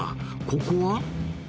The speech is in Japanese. ここは？